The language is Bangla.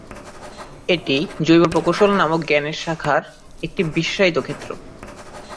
এটি জৈব প্রকৌশল নামক জ্ঞানের শাখার একটি বিশেষায়িত ক্ষেত্র।